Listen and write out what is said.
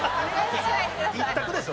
１択でしょ。